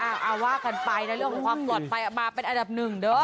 เอาว่ากันไปนะเรื่องของความปลอดภัยเอามาเป็นอันดับหนึ่งเด้อ